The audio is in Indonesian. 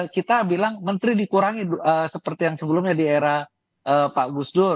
kita bilang menteri dikurangi seperti yang sebelumnya di era pak gus dur